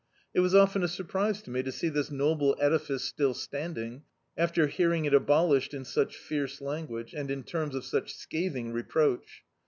It was often a sur prise to me to see this noble edifice still standing, after hearing it abolished in such fierce language, and in terms of such scathing rq>roach.